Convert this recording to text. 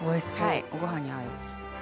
ご飯に合う。